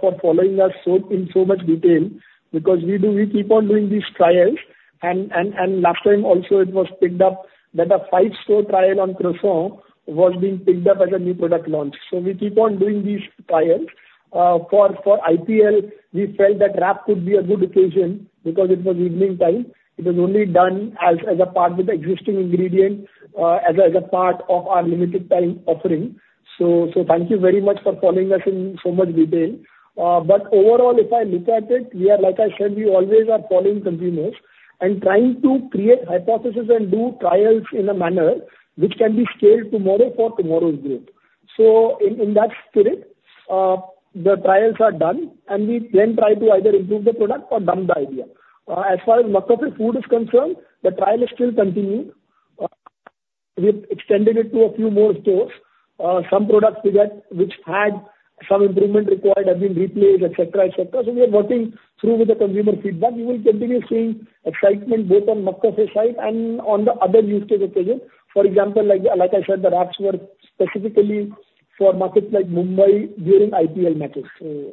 following us in so much detail because we keep on doing these trials. Last time also, it was picked up that a 5-store trial on croissant was being picked up as a new product launch. We keep on doing these trials. For IPL, we felt that wrap could be a good occasion because it was evening time. It was only done as a part with the existing ingredient, as a part of our limited-time offering. Thank you very much for following us in so much detail. Overall, if I look at it, like I said, we always are following consumers and trying to create hypotheses and do trials in a manner which can be scaled tomorrow for tomorrow's growth. So in that spirit, the trials are done, and we then try to either improve the product or dump the idea. As far as McCafe food is concerned, the trial is still continued. We have extended it to a few more stores. Some products which had some improvement required have been replaced, etc., etc. So we are working through with the consumer feedback. You will continue seeing excitement both on McCafe site and on the other use case occasion. For example, like I said, the wraps were specifically for markets like Mumbai during IPL matches.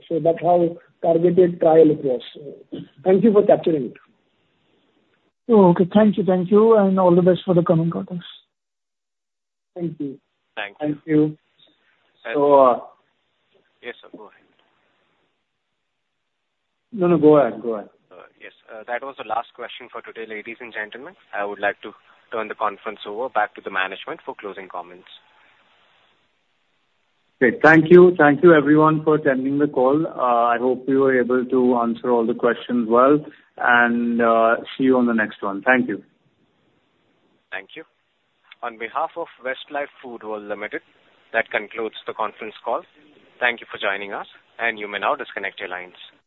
So that's how targeted trial it was. Thank you for capturing it. Oh. Okay. Thank you. Thank you. All the best for the coming quarters. Thank you. Thank you. Thank you. So. Yes, sir. Go ahead. No, no. Go ahead. Go ahead. Yes. That was the last question for today, ladies and gentlemen. I would like to turn the conference over back to the management for closing comments. Great. Thank you. Thank you, everyone, for attending the call. I hope you were able to answer all the questions well. See you on the next one. Thank you. Thank you. On behalf of Westlife Foodworld Limited, that concludes the conference call. Thank you for joining us. You may now disconnect your lines.